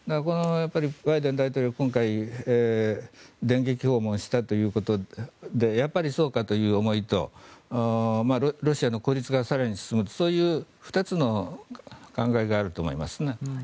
バイデン大統領は今回電撃訪問したということでやっぱりそうかという思いとロシアの孤立が更に進むそういう２つの考えがあると思いますね。